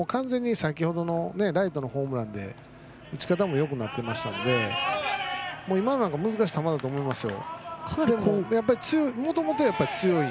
先ほどのライトのホームランで打ち方もよくなっていましたし今のは難しいボールだと思いますよ。